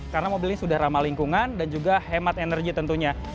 karena mobil ini sudah ramah lingkungan dan juga hemat energi tentunya